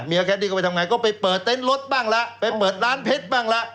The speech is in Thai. แคดดี้ก็ไปทำไงก็ไปเปิดเต็นต์รถบ้างละไปเปิดร้านเพชรบ้างละ